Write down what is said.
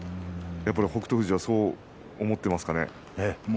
やっぱり北勝富士はそう思っていますかね。